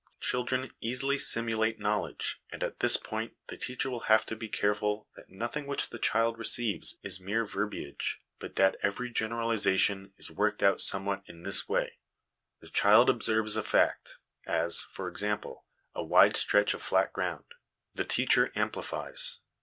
Children easily simulate knowledge, and at this point the teacher will have to be careful that nothing which the child receives is mere verbiage, but that every generalisation is worked out somewhat in this way : The child observes a fact, as, for example, a wide stretch of flat ground ; the teacher amplifies.